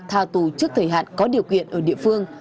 tha tù trước thời hạn có điều kiện ở địa phương